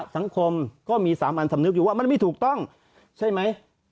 สังคมก็มี๓อันสำนึกอยู่ว่ามันไม่ถูกต้องใช่ไหม